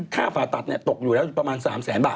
ค่าผ่าตัดตกอยู่แล้วอยู่ประมาณ๓๐๐๐๐๐บาท